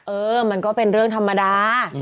เออมันก็เป็นเรื่องธรรมดา